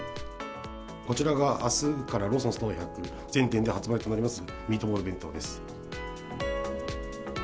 こちらがあすからローソンストア１００全店で発売となります、ミートボール弁当です。